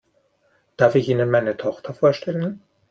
Darf ich Ihnen meine Tochter vorstellen?